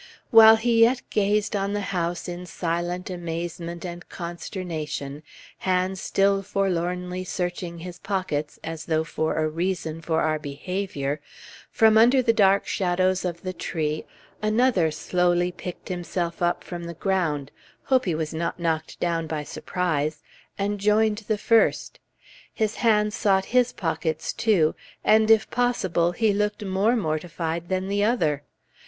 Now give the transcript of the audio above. While he yet gazed on the house in silent amazement and consternation, hands still forlornly searching his pockets, as though for a reason for our behavior, from under the dark shadow of the tree another slowly picked himself up from the ground hope he was not knocked down by surprise and joined the first. His hands sought his pockets, too, and, if possible, he looked more mortified than the other.